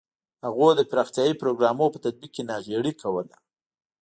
هغوی د پراختیايي پروګرامونو په تطبیق کې ناغېړي کوله.